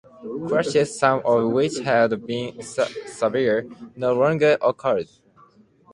Crashes, some of which had been severe, no longer occurred.